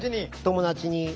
友達に？